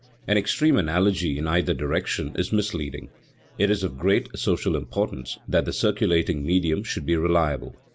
An extreme analogy in either direction is misleading. It is of great social importance that the circulating medium should be reliable.